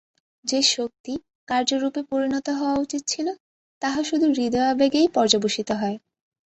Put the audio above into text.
যে-শক্তি কার্যরূপে পরিণত হওয়া উচিত ছিল, তাহা শুধু হৃদয়াবেগেই পর্যবসিত হয়।